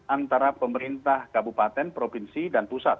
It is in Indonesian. antara pemerintah kabupaten provinsi dan pusat